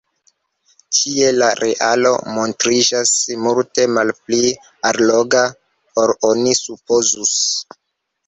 Ĉie la realo montriĝas multe malpli alloga, ol oni supozus.